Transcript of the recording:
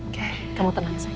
oke kamu tenang saja